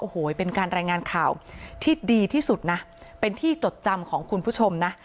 โอ้โหเป็นการรายงานข่าวที่ดีที่สุดนะเป็นที่จดจำของคุณผู้ชมนะ